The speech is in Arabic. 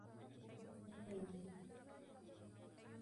سر عجيب فيه معنى أعجب